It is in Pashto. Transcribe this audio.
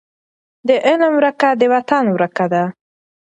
د علم ورکه د وطن ورکه ده.